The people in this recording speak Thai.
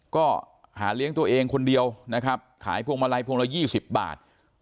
ก็หาเลี้ยงตัวเองคนเดียวนะครับขายพวงมาลัยพวงละ๒๐บาท